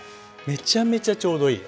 めちゃめちゃちょうどいい。